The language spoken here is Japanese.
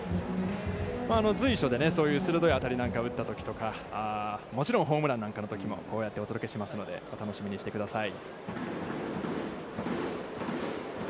随所で鋭い当たりを打ったときとか、もちろんホームランなんかのときもこうやってお届けしますので、お楽しみにしてください。